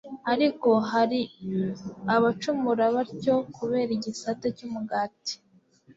ariko hari abacumura batyo kubera igisate cy'umugati